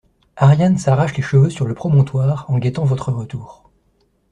Ariadne s'arrache les cheveux sur le promontoire en guettant votre retour.